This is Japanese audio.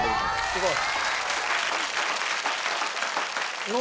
すごい。